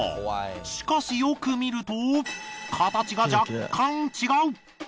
しかしよく見ると形が若干違う！